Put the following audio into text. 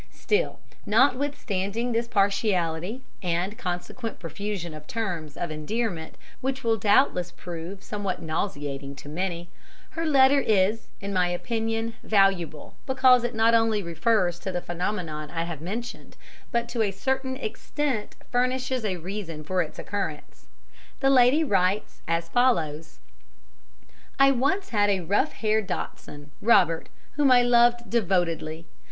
Still, notwithstanding this partiality, and consequent profusion of terms of endearment, which will doubtless prove somewhat nauseating to many, her letter is, in my opinion, valuable, because it not only refers to the phenomenon I have mentioned, but to a certain extent furnishes a reason for its occurrence. The lady writes as follows: "I once had a rough haired dachshund, Robert, whom I loved devotedly.